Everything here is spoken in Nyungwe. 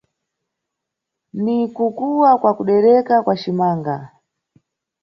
Ni kukuwa kwa kudereka kwa cimanaga.